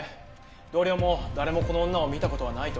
同僚も誰もこの女を見た事はないと。